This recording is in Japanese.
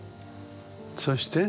そして？